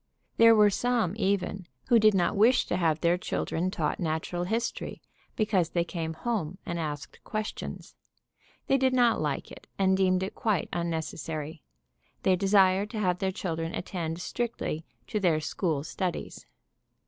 There were some, even, who did not wish to have their children taught natural history, because they came home and asked questions. They did not like it and deemed it quite unnecessary. They desired to have their children attend strictly to their "school studies."